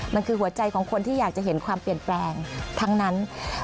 มันคือหัวใจของคนที่อยากจะเห็นความเปลี่ยนแปลงทั้งนั้น